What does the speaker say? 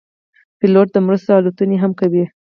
پیلوټ د مرستو الوتنې هم کوي.